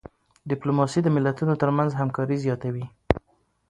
ډيپلوماسي د ملتونو ترمنځ همکاري زیاتوي.